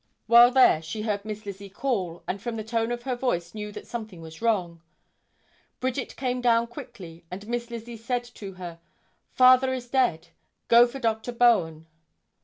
While there she heard Miss Lizzie call and from the tone of her voice knew that something was wrong. Bridget came down quickly and Miss Lizzie said to her, "Father is dead, go for Dr. Bowen."